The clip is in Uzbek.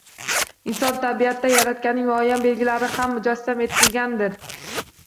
Inson tabiatida Yaratganning muayyan belgilari ham mujassam etilganidek